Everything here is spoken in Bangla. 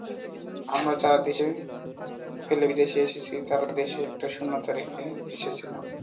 আমরা যারা দেশ ফেলে বিদেশে এসেছি তারা দেশে একটা শূন্যতা রেখে এসেছিলাম।